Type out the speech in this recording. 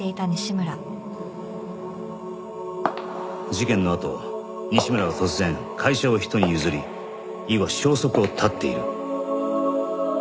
事件のあと西村は突然会社を人に譲り以後消息を絶っている